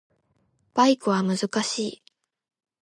バイクは難しい